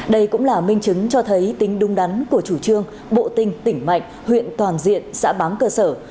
đây cũng là minh chứng cho thấy tính đúng đắn của chủ trương bộ tinh tỉnh mạnh huyện toàn diện xã bám cơ sở